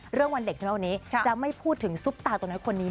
วันเด็กใช่ไหมวันนี้จะไม่พูดถึงซุปตาตัวน้อยคนนี้